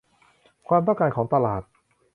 ความต้องการของตลาด